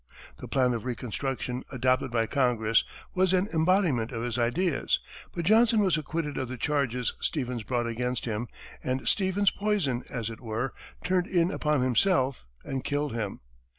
The plan of reconstruction adopted by Congress was an embodiment of his ideas; but Johnson was acquitted of the charges Stevens brought against him, and Stevens's poison, as it were, turned in upon himself and killed him.